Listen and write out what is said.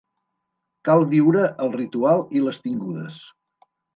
Cal viure el Ritual i les Tingudes.